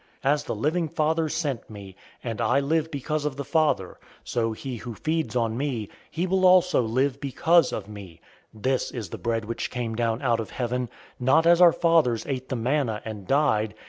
006:057 As the living Father sent me, and I live because of the Father; so he who feeds on me, he will also live because of me. 006:058 This is the bread which came down out of heaven not as our fathers ate the manna, and died.